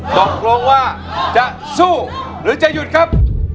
ตกลงว่าจะสู้หรือจะหยุดครับ